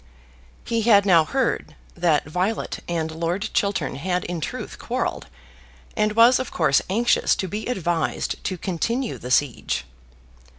He had now heard that Violet and Lord Chiltern had in truth quarrelled, and was of course anxious to be advised to continue the siege.